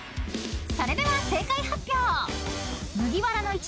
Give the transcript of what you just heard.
［それでは正解発表］